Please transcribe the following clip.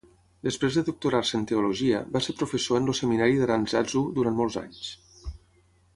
Després de doctorar-se en teologia, va ser professor en el seminari d'Arantzazu durant molts anys.